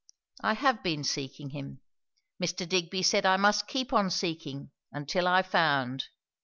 I have been seeking him. Mr. Digby said I must keep on seeking, until I found.